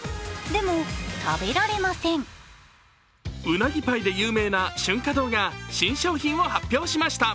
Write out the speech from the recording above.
うなぎパイで有名な春華堂が新商品を発表しました。